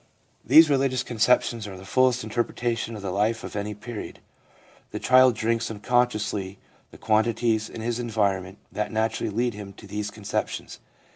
These religious conceptions are the fullest interpretation of the life of any period. The child drinks in unconsciously the quali ties in his environment that naturally lead him to these conceptions.